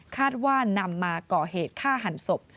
คาดว่านำมาก่อเหตุฆ่าหันศพ